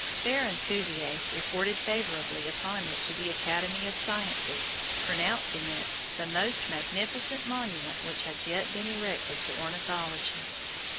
Baron Cuvier reported favourably upon it to the Academy of Sciences, pronouncing it "the most magnificent monument which has yet been erected to ornithology."